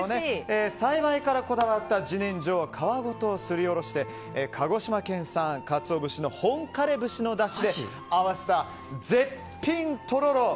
栽培からこだわった自然薯を皮ごとすりおろして鹿児島県産カツオ節本枯れ節のだしで合わせた絶品とろろ。